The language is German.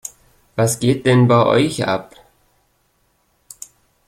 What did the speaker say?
Was geht denn bei euch ab?